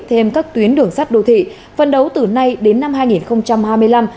thêm các tuyến đường sắt đô thị phân đấu từ nay đến năm hai nghìn hai mươi năm